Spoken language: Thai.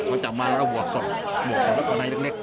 เขาจับมาแล้วบวกส่องบวกส่องแล้วก็ได้เล็ก